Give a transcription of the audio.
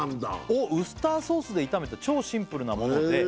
「をウスターソースで炒めた超シンプルなもので」